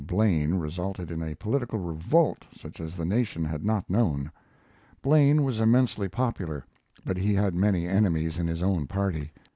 Blaine resulted in a political revolt such as the nation had not known. Blaine was immensely popular, but he had many enemies in his own party.